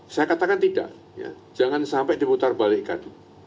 saya katakan tidak jangan sampai diputar balikan